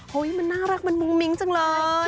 โห้ยยยยมันน่ารักมันมุ๊งมิ๊งจังเลย